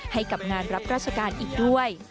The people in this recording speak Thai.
ให้กับงานรับราชการอีกด้วย